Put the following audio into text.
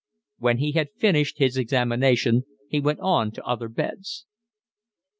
When he had finished his examination he went on to other beds.